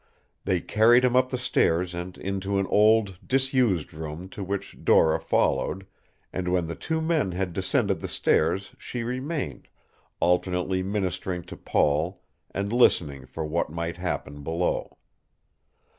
They carried him up the stairs and into an old, disused room to which Dora followed, and when the two men had descended the stairs she remained, alternately ministering to Paul and listening for what might happen below.